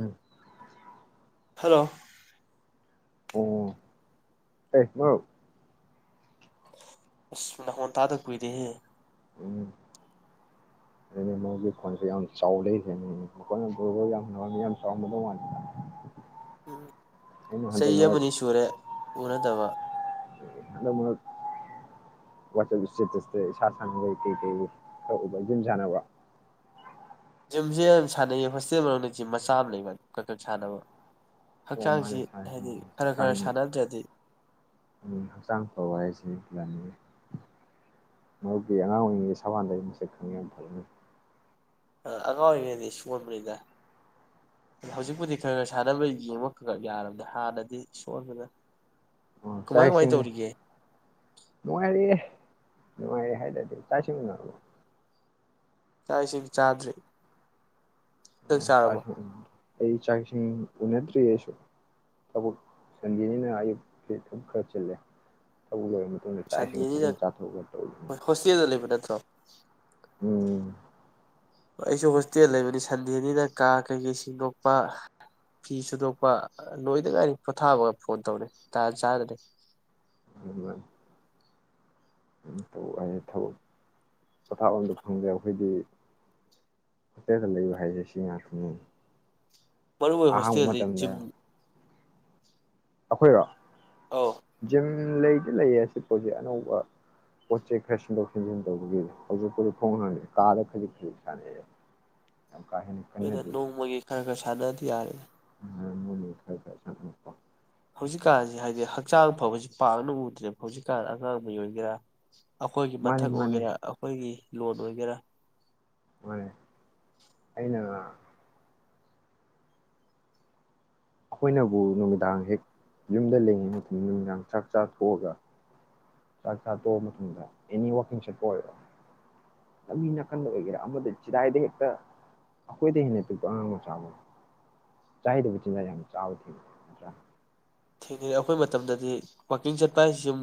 ꯎꯝ꯫ Hello. ꯑꯣ ꯑꯦ ꯃꯔꯨꯞ ꯑꯁ ꯃꯈꯣꯟ ꯇꯥꯗ ꯀꯨꯏꯔꯦ ꯍꯦ꯫ ꯎꯝ꯫ [unintelligible] ꯎꯝ ꯑꯩꯅ ꯍꯟꯗꯛ ꯆꯍꯤ ꯃꯔꯛ ꯑꯃꯅꯤ ꯁꯨꯔꯦ ꯎꯅꯗꯕ꯫ ꯍꯟꯗꯛ ꯃꯔꯛ ꯋꯥꯠꯆꯞ ꯁꯇꯦꯇ꯭ꯁ ꯢꯁꯥ ꯁꯥꯟꯅꯕꯩ ꯀꯩ ꯀꯩ ꯎꯏ ꯈꯔ ꯎꯏꯗ ꯖꯤꯝ ꯁꯥꯟꯅꯕ꯫ ꯖꯤꯝꯁꯦ ꯑꯗꯨꯝ ꯁꯥꯟꯅꯩꯌꯦ ꯍꯣꯁꯇꯦꯜ ꯃꯅꯨꯡꯗ ꯖꯤꯝ ꯃꯆꯥ ꯑꯃ ꯂꯩꯕ ꯈꯔ ꯈꯔ ꯁꯥꯟꯅꯕ꯫ ꯑꯣ ꯃꯥꯅ ꯍꯛꯆꯥꯡꯁꯤ ꯁꯥꯁꯤ ꯍꯥꯏꯗꯤ ꯍꯛꯆꯥꯡ ꯁꯥꯟꯅꯗ꯭ꯔꯗꯤ ꯍꯛꯆꯥꯡ ꯐꯕ ꯍꯥꯏꯁꯤ ꯂꯟꯅꯤ꯫ ꯃꯔꯨꯞꯀꯤ ꯑꯉꯥꯡ ꯑꯣꯏꯔꯤꯉꯩ ꯁꯕꯥꯟꯗꯒꯤ ꯃꯁꯛ ꯈꯪꯉꯦ ꯌꯥꯝ ꯐꯔꯝꯅꯤ꯫ ꯑꯉꯥꯡ ꯑꯣꯏꯔꯤꯉꯩꯗꯤ ꯁꯣꯟꯕꯅꯤꯗ ꯍꯧꯖꯤꯛꯄꯨꯗꯤ ꯈꯔ ꯈꯔ ꯁꯥꯟꯅꯕꯩ ꯌꯦꯡꯕ ꯈꯔ ꯈꯔ ꯌꯥꯔꯕꯅꯦ ꯍꯥꯟꯅꯗꯤ ꯁꯣꯟꯕꯅ꯫ ꯑꯣ ꯀꯃꯥꯏ ꯆꯥꯛ ꯀꯃꯥꯏ ꯏꯁꯤꯡ ꯇꯧꯔꯤꯒꯦ ꯅꯨꯡꯉꯥꯏꯔꯤꯑꯦ꯫ ꯅꯨꯡꯉꯥꯏ ꯍꯥꯏꯗꯗꯤ ꯆꯥꯛ ꯏꯁꯤꯡꯁꯤ ꯎꯅꯔꯕꯣ꯫ ꯆꯥꯛ ꯏꯁꯤꯡ ꯆꯥ ꯎ ꯇꯥꯏ ꯑꯩ ꯆꯥꯛ ꯏꯁꯤꯡ ꯎꯅꯗ꯭ꯔꯤ ꯑꯩꯁꯨ ꯊꯕꯛ ꯁꯟꯗꯦꯅꯤꯅ ꯑꯌꯨꯛꯀꯤ ꯊꯕꯛ ꯈꯔ ꯆꯤꯜꯂꯦ ꯊꯕꯛ ꯂꯣꯏꯔꯝꯕꯅꯤ ꯆꯥꯛ ꯏꯁꯤꯡ ꯁꯟꯗꯦꯅꯤꯅ ꯐꯖꯅ ꯆꯥꯊꯣꯛꯑꯒ ꯇꯧ ꯍꯣꯁꯇꯦꯜꯗ ꯂꯩꯕ ꯅꯠꯇ꯭ꯔꯣ ꯎꯝ ꯑꯩꯁꯨ ꯍꯣꯁꯇꯦꯜ ꯂꯩꯕꯅꯤ ꯁꯟꯗꯦꯅꯤꯅ ꯀꯥ ꯀꯩꯀꯩ ꯁꯦꯡꯗꯣꯛꯄ ꯐꯤ ꯁꯨꯗꯣꯛꯄ ꯅꯣꯏꯗ ꯉꯥꯏꯔꯤ ꯄꯣꯊꯥꯕꯒ ꯐꯣꯟ ꯇꯧꯅꯤ ꯇꯥ ꯆꯥꯗꯅꯤ ꯑꯗꯨꯃ ꯊꯕꯛ ꯄꯣꯊꯥꯕ ꯑꯝꯗ ꯐꯪꯗꯦ ꯑꯩꯈꯣꯏꯗꯤ ꯍꯣꯇꯦꯜꯗ ꯂꯩꯕ ꯍꯥꯏꯁꯦ ꯁꯤ ꯉꯥꯛꯇꯅꯤ ꯃꯔꯔꯨ ꯑꯣꯏ ꯑꯍꯥꯡꯕ ꯍꯣꯁꯇꯤꯗꯤ ꯃꯇꯝꯗ ꯆꯖꯤ [unintelligible] ꯑꯩꯈꯣꯏꯔꯣ [unintelligible] ꯑꯧ ꯎꯝ ꯂꯩꯗꯤ ꯂꯩꯌꯦ ꯑꯁꯤ ꯄꯣꯠꯁꯤ ꯑꯅꯧꯕ ꯄꯣꯠ ꯆꯩꯩ ꯈꯔ ꯁꯤꯟꯗꯣꯛ ꯁꯦꯝꯖꯤꯟ ꯇꯧꯕꯒꯤ ꯍꯧꯖꯤꯛꯄꯥꯎꯗꯤ ꯐꯣꯡꯈ꯭ꯔꯅꯤ ꯀꯥꯗ ꯈꯖꯤꯛ ꯈꯖꯤꯛ ꯁꯥꯟꯅꯩꯑ ꯑꯩꯈꯣꯏꯩꯅ ꯅꯣꯡꯃꯒꯤ ꯈꯔ ꯈꯔ ꯁꯥꯗꯅ ꯌꯥꯔꯦ ꯃ ꯈꯄ [unintelligible] ꯍꯧꯖꯤꯛꯀꯥꯟꯁꯤ ꯍꯥꯏꯗꯤ ꯍꯛꯆꯥꯡ ꯐꯕꯁꯤ ꯄꯥꯡꯅ ꯎꯗ꯭ꯔꯦꯕ ꯍꯧꯖꯤꯛꯀꯥꯟꯗ ꯑꯉꯥꯡꯕ ꯑꯣꯏꯒꯦꯔꯥ ꯑꯩꯈꯣꯏꯒꯤ ꯃꯥꯅꯦ ꯃꯊꯛ ꯃꯥꯅꯦ ꯑꯣꯏꯒꯦꯔꯥ ꯑꯩꯈꯣꯏꯒꯤ ꯂꯣꯗ ꯑꯣꯏꯒꯦꯔ ꯃꯅꯦ ꯑꯩꯅ ꯑꯩꯈꯣꯏꯅꯥꯥꯕꯨ ꯅꯨꯃꯤꯗꯥꯡꯍꯦꯛ ꯌꯨꯝꯗꯥꯂꯩꯕꯨ ꯅꯨꯃꯤꯗꯥꯡ ꯆꯥꯛ ꯆꯊꯣꯛꯑꯒ ꯆꯥꯛꯆꯥ ꯇꯣꯛꯑ ꯃꯇꯨꯡꯗ ꯑꯅꯨꯋꯥꯜꯀꯤꯟ ꯆꯠꯄꯥꯑꯣꯏꯔꯣ ꯂꯝꯕꯤ ꯅꯥꯀꯟꯗ ꯑꯣꯏꯒꯦꯔꯥ ꯑꯃꯗ ꯆꯤꯗꯥꯏꯗ ꯍꯦꯛꯇꯥ ꯑꯩꯈꯣꯏꯗꯩ ꯍꯦꯟꯅꯥ ꯄꯤꯛꯄꯥ ꯑꯉꯥꯡꯃꯆꯥ ꯆꯥꯍꯩꯗꯕ ꯆꯤꯟꯖꯥꯛ ꯌꯥꯝ ꯆꯕꯥꯎꯏ ꯊꯦꯡꯅꯩ ꯑꯩꯈꯣꯏ ꯃꯇꯝꯗꯗꯤ ꯋꯥꯀꯤꯡꯆꯠꯄ ꯍꯥꯏꯁꯦꯁꯨꯝ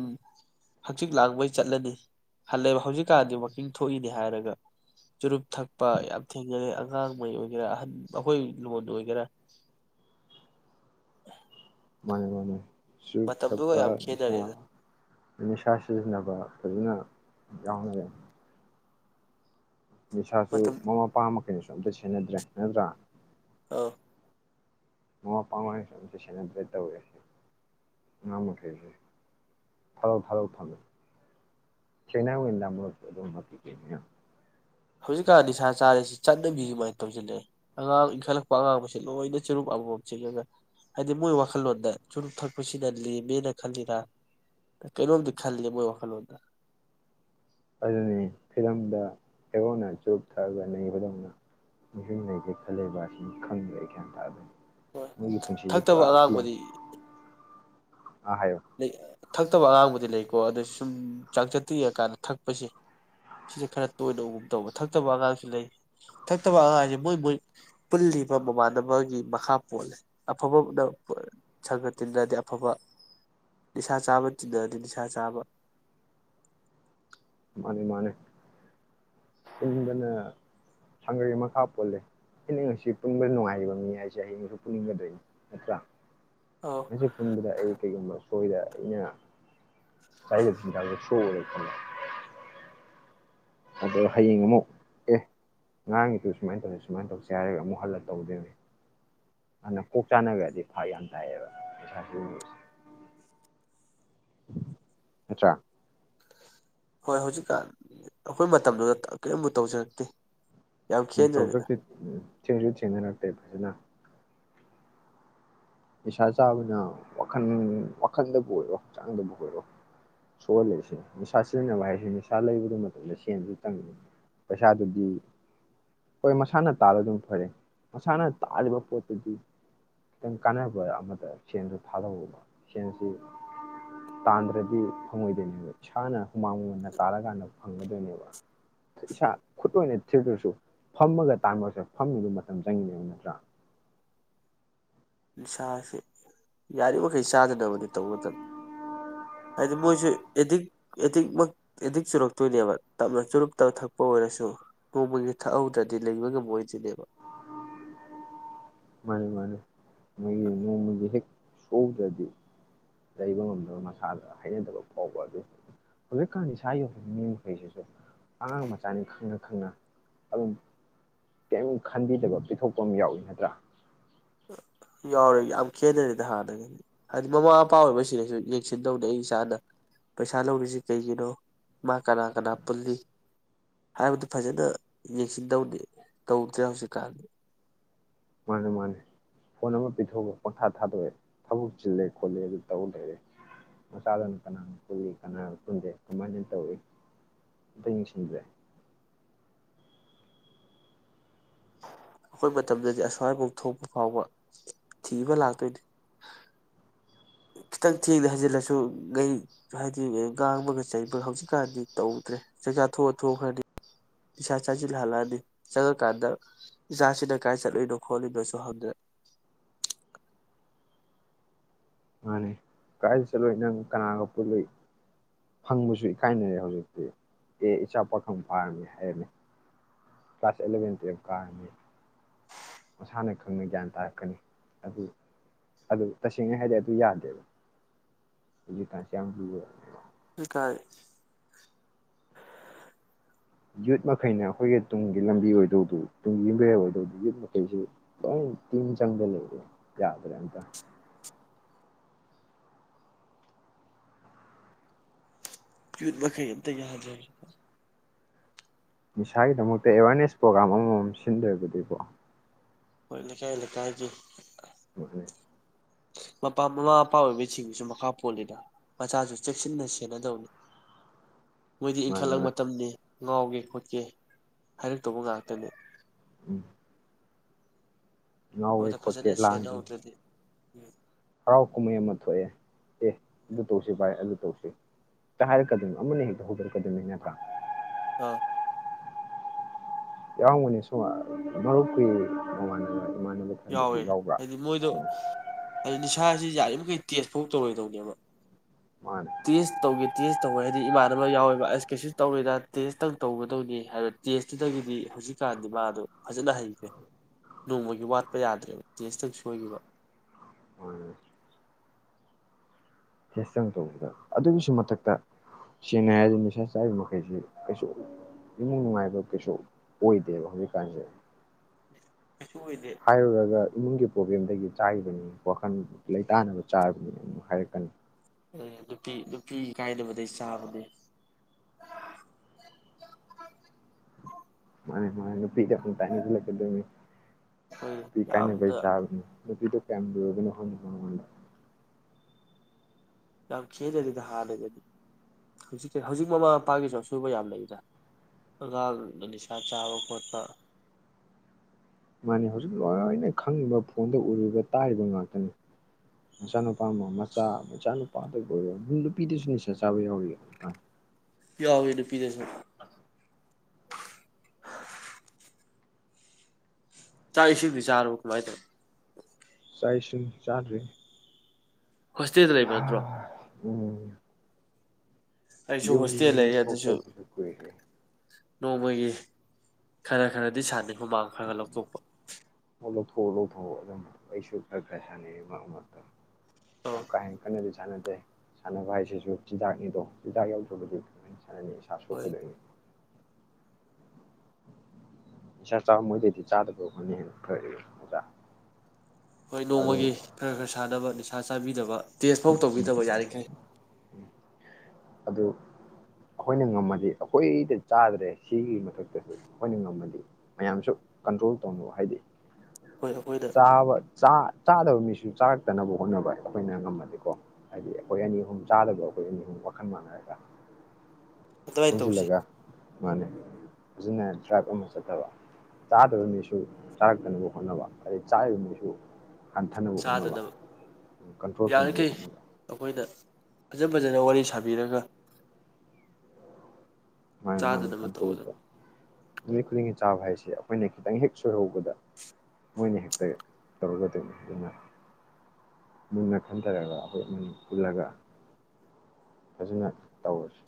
ꯍꯛꯆꯤꯛ ꯂꯥꯡꯕꯩ ꯆꯠꯂꯥꯅꯤ ꯍꯜꯂꯛꯑꯥ ꯍꯧꯖꯤꯀꯥꯟꯗꯤ ꯋꯥꯀꯤꯡ ꯊꯣꯛꯏꯅꯦ ꯍꯥꯏꯔꯥ ꯆꯨꯔꯨꯞ ꯊꯛꯄꯥ ꯌꯥꯝ ꯊꯦꯡꯅꯩ ꯑꯉꯉꯥꯡꯃꯩ ꯑꯣꯏꯒꯦꯔ ꯑꯍꯟ ꯑꯩꯈꯣꯏꯂꯣꯟ ꯑꯣꯏꯒꯦꯔ ꯃꯅꯦ ꯃꯅꯦ ꯆꯨꯔꯨꯞꯊꯛꯄ ꯌꯥꯝ ꯅꯤꯁꯥ ꯈꯦꯠꯅꯔꯦꯗ ꯅꯤꯁꯥ ꯁꯤꯖꯤꯟꯅꯕꯥ ꯍꯧꯖꯤꯛꯅꯥ [inaudible] ꯅꯤꯁꯥꯁꯨ ꯃꯇꯝ ꯃꯃꯥꯃꯄꯥ ꯃꯈꯩꯅꯁꯨ ꯑꯝꯇ ꯁꯦꯟꯅꯗ꯭ꯔꯦ ꯅꯠꯇ꯭ꯔꯥ ꯑꯝ ꯃ ꯄꯥꯡꯁ ꯁꯗ꯭ꯔ ꯇꯧꯁꯦ ꯃ ꯃꯊꯦꯁ ꯊꯔꯛ ꯊꯔꯣꯛ ꯊꯂꯛ ꯁꯅꯦꯗꯥ ꯃ ꯑꯗꯨꯝ ꯄꯤꯅꯦꯌꯥꯝ [unintelligible] ꯍꯧꯖꯤꯛꯀꯥꯟ ꯅꯤꯁꯥ ꯆꯥꯔꯤꯁꯤ ꯆꯠꯅꯕꯤ ꯑꯗꯨꯃꯥꯏꯅ ꯇꯧꯁꯤꯜꯂꯛꯑꯦ ꯑꯉꯥꯡ ꯏꯟꯈꯠꯂꯛꯄ ꯑꯉꯥꯡꯁ ꯂꯣꯏꯅ ꯆꯨꯔꯨꯞ ꯑꯃꯃꯝ ꯆꯤꯡꯉꯒ ꯍꯥꯏꯗꯤ ꯃꯣꯏ ꯋꯥꯈꯜꯂꯣꯟꯗ ꯆꯨꯔꯨꯞ ꯊꯛꯄꯁꯤꯅ ꯂꯦꯝꯃꯦꯅ ꯈꯜꯂꯤꯔ ꯀꯩꯅꯣꯝꯗꯤ ꯈꯜꯂꯤ ꯃꯣꯏ ꯋꯥꯈꯜꯂꯣꯟꯗ ꯑꯗꯨꯅꯤ ꯐꯤꯂꯝꯗ ꯍꯦꯔꯣꯅ ꯆꯨꯞ ꯊꯛꯑꯒ ꯅꯩꯕꯥꯗꯧꯅ ꯃꯣꯏꯁꯨ ꯅꯩꯒꯦ ꯍꯣꯏ ꯊꯛꯇꯕ ꯑꯉꯥꯡꯕꯨꯗꯤ ꯑꯥ ꯍꯥꯏꯌꯣ ꯊꯛꯇꯕ ꯑꯉꯥꯡꯕꯨꯗꯤ ꯂꯩ ꯀꯣ ꯑꯗꯨ ꯁꯨꯝ ꯆꯥꯡꯆꯠꯇ ꯌꯦꯡꯉꯀꯥꯟꯗ ꯊꯛꯄꯁꯦ ꯅꯤꯁꯥ ꯆꯥꯕ ꯇꯤꯟꯅꯔꯗꯤ ꯅꯤꯁꯥ ꯆꯥꯕ ꯃꯥꯅꯦ ꯃꯥꯅꯦ ꯄꯨꯟꯕꯅ ꯁꯪꯒꯩ ꯃꯈꯥ ꯄꯣꯜꯂꯦ ꯑꯩꯅ ꯉꯁꯤ ꯄꯨꯟꯕꯗ ꯅꯨꯡꯉꯥꯏꯔꯤꯕ ꯃꯤ ꯍꯥꯏꯁꯦ ꯍꯩꯌꯦꯡꯁꯨ ꯄꯨꯟꯅꯤꯡꯒꯗꯣꯏꯅꯤ ꯅꯠꯇ꯭ꯔꯥ ꯑꯧ ꯃꯁꯤ ꯄꯨꯟꯕꯤꯔ ꯑꯩ ꯀꯩꯒꯨꯝꯝꯕ ꯁꯣꯏꯗ ꯑꯩꯅ ꯆꯗ ꯆꯤꯟꯖꯥꯛꯗ ꯁꯣꯛꯑꯒ ꯈꯜꯂ [unintelligible] ꯑꯗꯣ ꯍꯌꯦꯡ ꯑꯃꯨꯛ ꯑꯦ ꯉꯔꯥꯡꯒꯤꯗꯨ ꯁꯨꯃꯥꯏꯅ ꯇꯧꯁꯤ ꯁꯨꯃꯥꯏꯅ ꯇꯧꯁꯦ ꯍꯥꯏꯔꯒ ꯑꯃꯨꯛ ꯍꯜꯂ ꯇꯧꯗꯣꯏꯅꯦ ꯑꯗꯨꯅ ꯀꯣꯛ ꯆꯥꯅꯈ꯭ꯔꯗꯤ ꯐꯛ ꯌꯥꯝ ꯇꯥꯏꯑꯌꯦꯕ ꯄꯩꯁꯥꯁꯨ [unintelligible] ꯅꯠꯇ꯭ꯔ꯫ ꯍꯣꯏ ꯍꯧꯖꯤꯛꯀꯥꯟ ꯑꯩꯈꯣꯏ ꯃꯇꯝꯗꯨꯗ ꯀꯔꯤꯝꯃꯨꯛ ꯇꯧꯖꯔꯛꯇꯦ꯫ ꯌꯥꯝ ꯎꯝ ꯈꯦꯠꯅꯔꯦꯗ ꯇꯧꯖꯔꯛꯇꯦ ꯊꯦꯡꯁꯨ ꯊꯦꯡꯅꯔꯛꯇꯦ ꯐꯖꯅ꯫ ꯅꯤꯁꯥ ꯆꯥꯕꯅ ꯋꯥꯈꯜ ꯋꯥꯈꯜꯗꯕꯨ ꯑꯣꯏꯔꯣ ꯍꯛꯆꯥꯡꯗꯕꯨ ꯑꯣꯏꯔꯣ ꯁꯣꯛꯍꯜꯜꯂꯤꯏꯁꯦ ꯅꯤꯁꯥ ꯁꯤꯖꯤꯟꯅꯕ ꯍꯥꯏꯁꯦ ꯅꯤꯁꯥ ꯂꯩꯕꯗ ꯃꯇꯝꯗ ꯁꯦꯟꯁꯨ ꯆꯪꯉꯤ ꯄꯩꯁꯥꯗꯨꯗꯤ ꯍꯣꯏ ꯃꯁꯥꯅ ꯇꯥꯕ ꯑꯗꯨꯝ ꯐꯔꯦ ꯃꯁꯥꯅ ꯇꯥꯜꯂꯤꯕ ꯄꯣꯠꯇꯨꯗꯤ ꯈꯤꯇꯪ ꯀꯥꯟꯅꯕ ꯑꯃꯗ ꯁꯦꯟꯗ ꯊꯥꯗꯧꯑꯣꯕ ꯁꯦꯟꯁꯤ ꯇꯥꯟꯗ꯭ꯔꯗꯤ ꯐꯪꯉꯣꯏꯗꯣꯏꯅꯦꯕ ꯏꯁꯥꯅ ꯍꯨꯃꯥꯡ ꯃꯃꯟꯅ ꯇꯥꯔꯀꯥꯟꯗ ꯐꯪꯒꯗꯣꯏꯅꯦꯕ ꯏꯁꯥ ꯈꯨꯠ ꯑꯣꯏꯅ ꯊꯦꯡꯇ꯭ꯔꯁꯨ ꯐꯝꯃꯒ ꯇꯥꯟꯃꯇꯝ ꯐꯝꯕꯒꯤ ꯃꯇꯝ ꯆꯪꯉꯤꯅꯦꯕ ꯅꯠꯇ꯭ꯔꯥ ꯅꯤꯁꯥꯁꯦ ꯌꯥꯔꯤꯕꯃꯈꯩ ꯆꯥꯗꯅꯕꯗꯤ ꯇꯧꯒꯗꯕꯅꯤ ꯍꯥꯏꯗꯤ ꯃꯣꯏꯁꯨ ꯑꯦꯗꯤꯛ ꯑꯦꯗꯤꯛꯃꯛ ꯑꯦꯗꯤꯛ ꯆꯨꯔꯛꯇꯣꯏꯅꯦꯕ ꯇꯞꯅ ꯆꯨꯔꯨꯞꯇꯞ ꯊꯛꯄ ꯑꯣꯏꯔꯁꯨ ꯅꯣꯡꯃꯒꯤ ꯊꯛꯍꯧꯗ꯭ꯔꯗꯤ ꯂꯩꯕ ꯉꯝꯃꯣꯏꯗꯣꯏꯅꯦꯕ꯫ ꯃꯥꯅꯤ ꯃꯥꯅꯤ꯫ ꯃꯣꯢꯒꯤ ꯅꯣꯡꯃꯒꯤ ꯍꯦꯛ ꯁꯨꯗ꯭ꯔꯗꯤ ꯂꯩꯕ ꯉꯝꯗꯕ ꯃꯁꯥꯗ ꯍꯩꯅꯗꯕ ꯐꯥꯎꯕ ꯑꯗꯨ ꯍꯧꯖꯤꯛꯀꯥꯟ ꯅꯤꯁꯥ ꯌꯣꯟꯕ ꯃꯤ ꯃꯈꯩꯁꯤꯁꯨ ꯑꯉꯥꯡ ꯃꯆꯥꯅꯤ ꯈꯪꯅ ꯈꯪꯅ ꯑꯗꯨꯝ ꯀꯔꯤꯝ ꯈꯟꯕꯤꯗꯕ ꯄꯤꯊꯣꯛꯄ ꯑꯃ ꯌꯥꯎꯏ ꯅꯠꯇ꯭ꯔꯥ꯫ ꯌꯥꯎꯔꯦ ꯌꯥꯝ ꯈꯦꯠꯅꯔꯦꯗ ꯍꯥꯟꯅꯗꯒꯤꯗꯤ ꯍꯥꯏꯗꯤ ꯃꯃꯥ ꯃꯄꯥ ꯑꯣꯏꯕꯁꯤꯡꯅꯁꯨ ꯌꯦꯡꯁꯤꯟꯗꯧꯅꯤ ꯑꯩ ꯏꯁꯥꯅ ꯄꯩꯁꯥ ꯂꯧꯔꯤꯁꯤ ꯀꯩꯒꯤꯅꯣ ꯃꯥ ꯀꯅꯥ ꯀꯅꯥ ꯄꯨꯜꯂꯤ ꯍꯥꯏꯕꯗꯨ ꯐꯖꯅ ꯌꯦꯡꯁꯤꯟꯗꯧꯅꯤ ꯇꯧꯗ꯭ꯔꯦ ꯍꯧꯖꯤꯛꯀꯥꯟꯗꯤ꯫ ꯃꯥꯅꯦ ꯃꯥꯅꯦ꯫ ꯐꯣꯟ ꯑꯃ ꯄꯤꯊꯣꯛꯑꯒ ꯄꯣꯡꯊꯥ ꯊꯥꯗꯣꯛꯑꯦ ꯊꯕꯛ ꯆꯤꯜꯂꯦ ꯈꯣꯠꯂꯦ ꯑꯗꯨ ꯇꯧꯂꯩꯔꯦ ꯃꯆꯥꯗꯨꯅ ꯀꯅꯥꯅ ꯄꯨꯜꯂꯤ ꯀꯅꯥꯅ ꯄꯨꯟꯗꯦ ꯀꯃꯥꯏꯅ ꯇꯧꯏ ꯑꯝꯇ ꯌꯦꯡꯁꯤꯟꯗ꯭ꯔꯦ꯫ ꯑꯩꯈꯣꯏ ꯃꯇꯝꯗꯗꯤ ꯑꯁ꯭ꯋꯥꯏꯕꯨꯡ ꯊꯣꯛꯄ ꯐꯥꯎꯕ ꯊꯤꯕ ꯂꯥꯛꯇꯣꯏꯅꯤ꯫ ꯈꯤꯇꯡ ꯊꯦꯡꯅ ꯍꯩꯖꯤꯜꯂꯁ ꯒꯩ ꯍꯥꯏꯗꯤꯅꯦ ꯉꯥꯡꯕꯒ ꯆꯩꯕꯒ ꯍꯧꯖꯤꯛꯀꯥꯟꯗꯤ ꯇꯧꯗ꯭ꯔꯦ ꯆꯥꯛꯆꯥ ꯇꯣꯛꯑ ꯊꯣꯛꯈ꯭ꯔꯅꯤ ꯅꯤꯁꯥ ꯆꯥꯁꯤꯜꯂꯒ ꯍꯂꯛꯑꯅꯤ ꯆꯪꯉꯛꯀꯥꯟꯗ ꯏꯆꯥꯁꯤꯅ ꯀꯗꯥꯥꯏ ꯆꯠꯂꯨꯏꯅꯣ ꯈꯣꯠꯂꯤꯅꯣꯁꯨ ꯍꯪꯗ꯭ꯔꯦ꯫ ꯃꯥꯅꯤ ꯀꯥꯏ ꯆꯠꯂꯨꯏ ꯅꯪ ꯀꯅꯥꯒ ꯄꯨꯟꯂꯨꯏ ꯍꯪꯕꯁꯨ ꯏꯀꯥꯏꯅꯔꯦ ꯍꯧꯖꯤꯛꯇꯤ ꯑꯦ ꯏꯆꯥ ꯄꯥꯈꯪ ꯐꯥꯔꯝꯃꯤ ꯍꯥꯏꯔꯝꯃꯤ ꯀ꯭ꯂꯥꯁ ꯑꯦꯂꯚꯦꯟ ꯇꯨꯌꯦꯜꯞ ꯐꯥꯔꯝꯃꯤ ꯃꯁꯥꯅ ꯈꯪꯅ ꯒ꯭ꯌꯥꯟ ꯇꯥꯔꯛꯀꯅꯤ ꯑꯗꯨ ꯑꯗꯨ ꯇꯁꯦꯡꯅ ꯍꯥꯏꯗꯤ ꯑꯗꯨ ꯌꯥꯗꯦꯕ ꯍꯧꯖꯤꯛꯀꯥꯟꯁꯦ ꯌꯥꯝ ꯂꯨꯔꯃꯦ꯫ ꯂꯩꯀꯥꯏ ꯌꯨꯠ ꯃꯈꯩꯅ ꯑꯩꯈꯣꯏꯒꯤ ꯇꯨꯡꯒꯤ ꯂꯝꯕꯤ ꯑꯣꯏꯗꯧꯗꯨ ꯇꯨꯡꯒꯤ ꯌꯨꯝꯕꯤꯔꯦꯜ ꯑꯣꯏꯗꯧꯗꯨ ꯌꯨꯠ ꯃꯈꯩꯁꯤ ꯂꯣꯏ ꯇꯤꯟ ꯆꯪꯗ ꯂꯩꯔꯦ ꯌꯥꯗ꯭ꯔꯦ ꯑꯝꯇ ꯌꯨꯠ ꯃꯈꯩ ꯑꯃꯇ ꯖꯥꯗ꯭ꯔꯦ꯫ ꯅꯤꯁꯥꯒꯤꯗꯃꯛꯇ ꯑꯦꯋꯥꯔꯅꯦꯁ ꯄ꯭ꯔꯣꯒ꯭ꯔꯥꯝ ꯑꯃꯃꯝ ꯁꯤꯟꯗꯔꯒꯗꯤꯀꯣ ꯍꯣꯢ ꯂꯩꯀꯥꯏ ꯂꯩꯊꯥꯏꯒꯤ꯫ ꯎꯝ ꯍꯣꯏ꯫ ꯃꯄꯥ ꯃꯃꯥ ꯃꯄꯥ ꯑꯣꯏꯕꯁꯤꯡꯁꯨ ꯃꯈꯥ ꯄꯣꯜꯂꯤꯗ ꯃꯆꯥꯁꯨ ꯆꯦꯛꯁꯤꯟꯅ ꯁꯦꯟꯅꯗꯧꯅꯤ꯫ ꯃꯣꯏꯗꯤ ꯃꯥꯅꯦ ꯏꯟꯈꯠꯂꯛ ꯃꯥꯅꯦ ꯃꯇꯝꯅꯤ ꯉꯥꯎꯒꯦ ꯈꯣꯠꯀꯦ ꯍꯥꯏꯔꯛꯇꯧꯕ ꯉꯥꯛꯇꯅꯦ꯫ ꯎꯝ꯫ ꯉꯥꯎꯋꯦ ꯈꯣꯠꯀꯦ ꯂꯥꯡꯒꯦ ꯎꯝ꯫ ꯍꯔꯥꯎ ꯀꯨꯝꯍꯩ ꯑꯃ ꯊꯣꯛꯑꯦ ꯑꯦ ꯑꯗꯨ ꯇꯧꯁꯤ ꯚꯥꯏ ꯑꯗꯨ ꯇꯧꯁꯤ ꯍꯦꯛꯇ ꯍꯥꯏꯔꯛꯀꯗꯣꯏꯅꯤ ꯑꯃꯅ ꯍꯦꯛꯇ ꯍꯧꯗꯣꯔꯛꯀꯗꯣꯏꯅꯤ ꯅꯠꯇ꯭ꯔꯥ꯫ ꯑꯥ ꯌꯥꯎꯔꯝꯒꯅꯤ ꯁꯨꯝꯕ ꯃꯔꯨꯞꯀꯤꯏ ꯃꯃꯥꯟꯅꯕ ꯏꯃꯥꯟꯅꯕ ꯈꯔꯗꯁꯨ ꯌꯥꯎꯋꯦ ꯌꯥꯎꯕ꯭ꯔꯥ ꯍꯥꯏꯗꯤ ꯃꯣꯏꯗꯣ ꯎꯝ ꯍꯥꯏꯗꯤ ꯅꯤꯁꯥ ꯁꯤ ꯌꯥꯔꯤꯕꯈꯩ ꯇꯦꯁꯐꯥꯎ ꯇꯧꯔꯣꯏꯗꯣꯏꯅꯦꯕ ꯃꯥꯅꯦ ꯇꯁ ꯇꯧꯒꯦ ꯇꯁ ꯇꯧꯋꯦ ꯍꯥꯏꯗꯤ ꯏꯃꯥꯟꯅꯕ ꯌꯥꯎꯋꯦꯕ ꯑꯁ ꯀꯩꯁꯨ ꯇꯧꯔꯏꯗ ꯇꯦꯁꯇꯪ ꯇꯧꯒꯗꯧꯅꯤ ꯍꯥꯏꯕ ꯇꯦꯁꯇꯨꯗꯒꯤꯗꯤ ꯍꯧꯖꯤꯛꯀꯥꯟꯗꯤ ꯃꯥꯗꯣ ꯐꯖꯅ ꯍꯩꯈ꯭ꯔꯦ ꯅꯣꯡꯃꯒꯤ ꯋꯥꯠ ꯄ ꯌꯥꯗ꯭ꯔꯦꯕ ꯇꯦꯁꯇꯪ ꯁꯣꯏꯈꯤꯕ꯫ ꯍꯣꯏ꯫ ꯇꯦꯁ ꯇꯪ ꯇꯧꯕꯗ ꯑꯗꯨꯒꯤꯁꯨ ꯃꯊꯛꯇ ꯁꯦꯡꯅ ꯍꯥꯏꯔꯗꯤ ꯅꯤꯁꯥ ꯆꯥꯔꯤꯕ ꯃꯈꯩꯁꯤ ꯀꯩꯁꯨ ꯏꯃꯨꯡ ꯅꯨꯡꯉꯥꯏꯕ ꯀꯩꯁꯨ ꯑꯣꯏꯗꯦꯕ ꯍꯧꯖꯤꯛꯀꯥꯟꯁꯦ꯫ ꯀꯩꯁꯨ ꯑꯣꯏꯗꯦ ꯍꯥꯏꯔꯨꯔꯒ ꯏꯃꯨꯡꯒꯤ ꯄ꯭ꯔꯣꯕ꯭ꯂꯦꯝꯗꯒꯤ ꯆꯥꯔꯤꯕꯅꯤꯀꯣ ꯂꯩꯇꯥꯅꯕ ꯆꯥꯔꯕꯅꯦ [unintelligible] ꯍꯥꯏꯔꯛꯀꯅꯤ ꯅꯨꯄꯤ ꯅꯨꯄꯤ ꯀꯥꯏꯗꯕꯗꯩ ꯆꯥꯕꯗꯩ ꯃꯥꯅꯤ ꯃꯥꯅꯤ [unintelligible] ꯅꯨꯄꯤ ꯍꯣꯏ ꯀꯥꯏꯅꯕꯩ ꯌꯥꯝꯅ ꯆꯕꯅꯦ ꯅꯄꯤꯗꯣ ꯀꯌꯥꯝ ꯂꯨꯔꯕꯅꯣ ꯈꯪꯗꯦ ꯃꯥꯏ [unintelligible] ꯌꯥꯝ ꯈꯦꯅꯗꯤꯗ ꯍꯥꯟꯅꯗꯗꯤ ꯍꯧꯖꯤꯛ ꯍꯧꯖꯤꯛ ꯃꯃꯥ ꯃꯄꯥꯒꯤꯁꯨ ꯑꯁꯨꯣꯏꯕ ꯌꯥꯝ ꯂꯩꯗ ꯑꯉꯥꯡꯅ ꯅꯤꯁꯥ ꯆꯥꯕ ꯈꯣꯠꯄ ꯃꯥꯅꯤ ꯍꯧꯖꯤꯛ ꯂꯣꯏꯅ ꯈꯪꯕ ꯐꯣꯟꯗ ꯎꯔꯤꯕ ꯇꯥꯔꯤꯕ ꯉꯥꯛꯇꯅꯤ꯫ ꯃꯆꯥꯅꯨꯄꯥ ꯑꯃ ꯃꯆꯥ ꯃꯆꯥꯅꯨꯄꯥꯗꯕꯨ ꯑꯣꯏꯔꯣ ꯅꯨꯄꯤꯗꯁꯨ ꯅꯤꯁꯥ ꯆꯥꯕ ꯌꯥꯎꯔꯤ ꯌꯧꯏ ꯅꯨꯨꯄꯤꯗꯁꯨ ꯆꯥꯛ ꯏꯁꯤꯡꯗꯤ ꯆꯔꯕꯣ [unintelligible] ꯆꯥꯛ ꯏꯁꯤꯡ ꯆꯗꯔꯤ ꯍꯣꯁꯇꯦꯜꯗ ꯂꯩꯕ ꯅꯠꯇ꯭ꯔꯣ ꯎꯝ ꯑꯩꯁꯨ ꯌꯨꯝ ꯍꯣꯁꯇꯦꯜ ꯂꯩꯌꯦ ꯑꯗꯨꯁꯨ ꯊꯣꯛꯇꯕꯁꯨ ꯀꯨꯏꯔꯦ ꯅꯣꯡꯃꯒꯤ ꯈꯔ ꯈꯔꯗꯤ ꯁꯥꯟꯅꯩ ꯍꯨꯃꯥꯡ ꯈꯔ ꯈꯔ ꯂꯧꯊꯣꯛꯄ ꯑꯣ ꯂꯧꯊꯣꯛꯎ ꯂꯧꯊꯣꯛꯎ ꯑꯗꯨꯝ ꯑꯩꯁꯨ ꯈꯔ ꯈꯔ ꯁꯥꯟꯅꯩ ꯃꯔꯛ ꯃꯔꯛꯇ ꯑꯧ ꯌꯥꯝ ꯀꯥꯍꯦꯟꯅꯥ [unintelligible] ꯁꯅꯗꯦ ꯁꯥꯅꯕꯥ ꯍꯥꯏꯖꯤꯁꯨ ꯆꯤꯟꯖꯥꯛꯅꯤꯗꯣ ꯆꯤꯟꯖꯥꯛ ꯌꯧꯗꯔ꯭ꯕꯗꯤ [unintelligible] ꯏꯁꯥ ꯍꯣꯏ ꯁꯣꯛꯀꯗꯣꯏꯅꯤ ꯅꯤꯁꯥ ꯆꯥꯕ ꯃꯣꯏꯗꯩꯗꯤ ꯆꯗꯕ ꯑꯩꯈꯣꯏꯅ ꯍꯦꯟꯅꯥ ꯐꯔꯤꯅꯦ ꯈꯪꯕꯔꯥ꯭ ꯍꯣꯏ ꯅꯣꯡꯃꯒꯤ ꯈ꯭ꯔ ꯈ꯭ꯔ ꯁꯥꯟꯅꯕ ꯅꯤꯁꯥ ꯆꯕꯤꯗꯕ ꯇꯦꯁ ꯐꯧ ꯇꯧꯕꯤꯗꯕ ꯌꯔꯤꯈꯩ ꯑꯗꯨ ꯑꯩꯈꯣꯢꯅ ꯉꯝꯃꯗꯤ ꯑꯩꯈꯣꯏꯅ ꯆꯔꯤꯁꯦ ꯁꯤꯒꯤ ꯃꯊꯛꯇꯥ ꯑꯩꯈꯣꯏꯗ ꯉꯝꯃꯗꯤ ꯃꯌꯥꯝꯁꯨ ꯀꯟꯇꯔꯣꯜ ꯇꯧꯅꯧ ꯍꯥꯏꯗꯤ ꯑꯩꯈꯣꯏ ꯑꯩꯈꯣꯏꯗ ꯆꯥ-ꯆꯥꯗꯕ ꯃꯤꯁꯨ ꯆꯔꯛꯇꯅꯕ ꯍꯣꯠꯅꯕꯥ ꯑꯩꯈꯣꯢꯅ ꯉꯝꯃꯗꯤ ꯀꯣ ꯍꯥꯢꯗꯤ ꯑꯩꯈꯣꯢ ꯑꯅꯤ-ꯑꯍꯨꯝ ꯆꯗꯕꯗꯥ ꯋꯥꯈꯜ ꯃꯟꯅꯔꯥꯗꯔ꯭ ꯑꯗꯨꯃꯥꯏꯅ ꯇꯧꯁꯤ ꯄꯨꯟꯖꯤꯟꯂꯒ ꯃꯅꯦ ꯍꯨꯖꯤꯛꯅꯦ ꯗꯔ꯭ꯥꯕ ꯑꯃ ꯆꯠꯇꯕ ꯇꯗꯕ ꯃꯤꯂꯨ ꯆꯥꯔꯛꯇꯅꯕ ꯍꯣꯠꯅꯕ ꯆꯥꯔꯤꯕ ꯃꯤꯁꯨ ꯍꯟꯊꯥꯅꯕ ꯍꯣꯠꯅꯕ ꯆꯥꯗꯅꯕ ꯀꯟꯇꯔ꯭ꯣꯜ ꯑꯩꯈꯣꯏꯗ ꯐꯖ ꯐꯖꯅ ꯋꯥꯔꯤ ꯁꯥꯕꯤꯔꯒ ꯃꯥ ꯃꯥꯅꯤ ꯆꯥꯗꯅꯕ ꯇꯧꯕꯗ ꯀꯟꯇ꯭ꯔꯣꯜꯗ ꯅꯨꯃꯤꯠ ꯈꯨꯗꯤꯡꯒꯤ ꯆꯥꯕ ꯍꯥꯏꯁꯦ ꯁꯦ ꯑꯩꯈꯣꯏꯅ ꯈꯤꯇꯪ ꯍꯦꯛ ꯁꯣꯏꯍꯧꯕꯗ ꯃꯣꯏꯅ ꯍꯦꯛꯇ ꯇꯧꯔꯒꯗꯣꯏꯅꯤ ꯑꯗꯨꯅ ꯃꯨꯟꯅ ꯈꯟꯊꯔꯒ ꯑꯩꯈꯣꯏ ꯃ ꯄꯨꯜꯂꯒ ꯐꯖꯅ ꯇꯧꯔꯁꯤ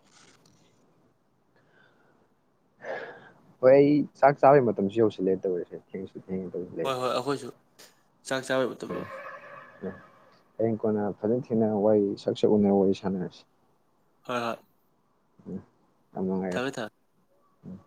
ꯍꯣꯏ ꯑꯩ ꯆꯥꯛ ꯆꯥꯕꯩ ꯃꯇꯝꯁꯨ ꯌꯧꯁꯤꯜꯂꯦ ꯇꯧꯔꯤꯁꯦ ꯊꯦꯡꯉꯦ ꯍꯣꯏ ꯍꯣꯏ ꯇꯧꯁꯤꯜꯂꯛꯑꯦ ꯑꯩꯈꯣꯏꯁꯨ ꯆꯥꯛ ꯆꯥꯕ ꯃꯇꯝꯗꯣ ꯍꯌꯦꯡ ꯀꯣꯟꯅ ꯐꯖꯅ ꯊꯤꯅ ꯋꯥꯔꯤ ꯁꯛ ꯁꯛ ꯎꯅꯔ ꯋꯥꯔꯤ ꯁꯥꯟꯅꯔꯁꯤ ꯍꯣꯏ ꯍꯣꯏ ꯎꯝ ꯊꯝꯃꯦ ꯊꯝꯃꯦ ꯎꯝ